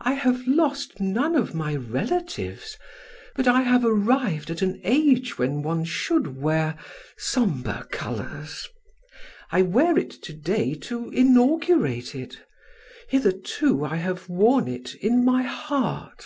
I have lost none of my relatives, but I have arrived at an age when one should wear somber colors. I wear it to day to inaugurate it; hitherto I have worn it in my heart."